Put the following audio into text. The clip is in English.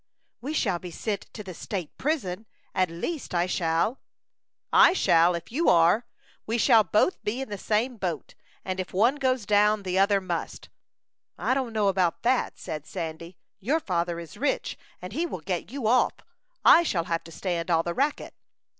"We shall be sent to the state prison at least I shall." "I shall, if you are; we shall both be in the same boat, and if one goes down the other must." "I don't know about that," said Sandy; "your father is rich, and he will get you off. I shall have to stand all the racket."